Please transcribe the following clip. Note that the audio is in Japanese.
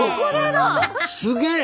すげえ！